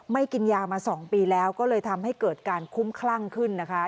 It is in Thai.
กินยามา๒ปีแล้วก็เลยทำให้เกิดการคุ้มคลั่งขึ้นนะคะ